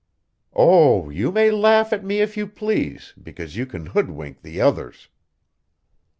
"Oh, you may laugh at me if you please, because you can hoodwink the others."